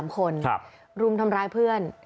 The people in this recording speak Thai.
๓คนรุมทำร้ายเพื่อน